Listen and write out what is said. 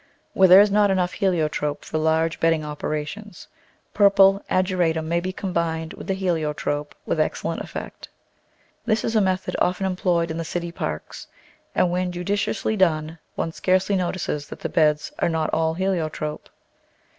Where there is not enough Heliotrope for large bedding operations, purple Ager atum may be combined with the Heliotrope with ex cellent effect; this is a method often employed in the city parks, and when judiciously done one scarcely notices that the beds are not all Heliotrope.